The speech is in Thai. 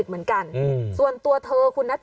เบื้องต้น๑๕๐๐๐และยังต้องมีค่าสับประโลยีอีกนะครับ